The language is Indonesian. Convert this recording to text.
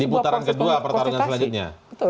di putaran kedua pertarungan selanjutnya